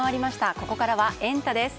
ここからはエンタ！です。